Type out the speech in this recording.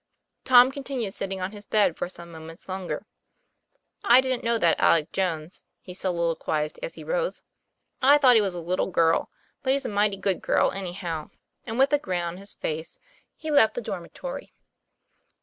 Tom continued sitting on his bed for some moments longer. 'I didn't know that Alec Jones," he soliloquized as he rose. ' I thought he was a little girl, but he's a mighty good girl anyhow." And with a grin on his face, he left the dormitory.